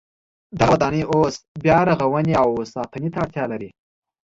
دغه ودانۍ اوس بیا رغونې او ساتنې ته اړتیا لري.